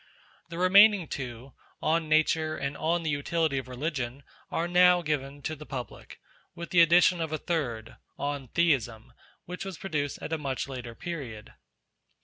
The remaining two on Nature and Vlll INTRODUCTORY NOTICE on the Utility of Eeligion are now given to the public, with the addition of a third on Theism which was produced at a much later period.